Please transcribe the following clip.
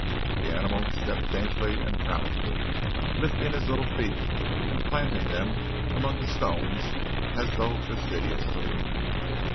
The animal stepped daintily and proudly, lifting his little feet and planting them among the stones as though fastidiously.